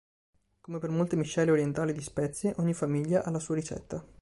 Come per molte miscele orientali di spezie, ogni famiglia ha la sua ricetta.